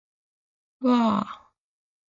ふぁあ